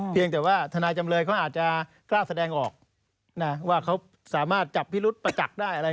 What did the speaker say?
เพียงแต่ว่าทนายจำเลยเขาอาจจะกล้าแสดงออกนะว่าเขาสามารถจับพิรุษประจักษ์ได้อะไร